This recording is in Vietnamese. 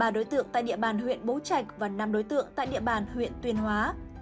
ba đối tượng tại địa bàn huyện bố trạch và năm đối tượng tại địa bàn huyện tuyên hóa